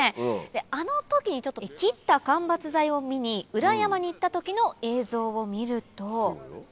あの時に切った間伐材を見に裏山に行った時の映像を見ると。